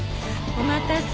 お待たせ。